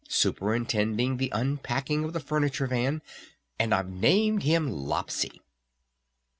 Superintending the unpacking of the furniture van! And I've named him Lopsy!"